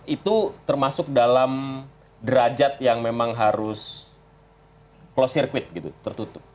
itu termasuk dalam derajat yang memang harus close circuit gitu tertutup